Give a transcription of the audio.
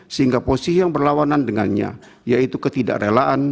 sehingga posisi yang berlawanan dengannya yaitu ketidak relaan